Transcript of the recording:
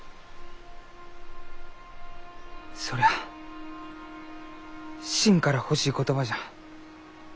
そりゃあしんから欲しい言葉じゃ。